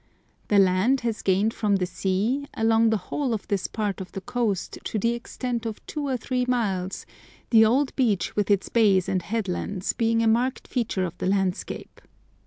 The land has gained from the sea along the whole of this part of the coast to the extent of two or three miles, the old beach with its bays and headlands being a marked feature of the landscape.